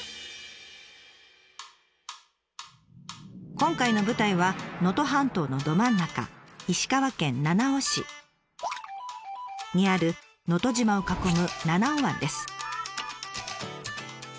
今回の舞台は能登半島のど真ん中石川県七尾市にある能登島を囲む七尾湾です。